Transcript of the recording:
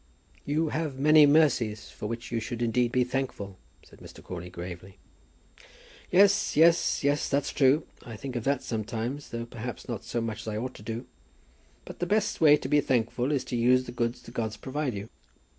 "You have many mercies for which you should indeed be thankful," said Mr. Crawley, gravely. "Yes, yes, yes; that's true. I think of that sometimes, though perhaps not so much as I ought to do. But the best way to be thankful is to use the goods the gods provide you.